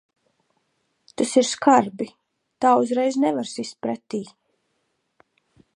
Tas ir skarbi. Tā uzreiz nevar sist pretī.